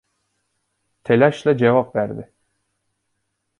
Telaşla cevap verdi.